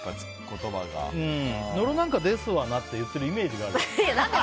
野呂なんか、ですわなって言ってるイメージがある。